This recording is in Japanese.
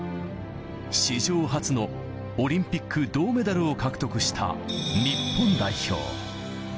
史上初のオリンピック銅メダルを獲得した日本代表。